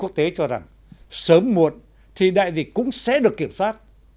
quốc tế cho rằng sớm muộn thì đại dịch cũng sẽ được kiểm soát